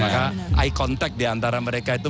maka eye contact diantara mereka itu